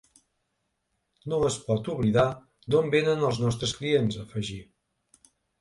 No es pot oblidar d’on vénen els nostres clients, afegí.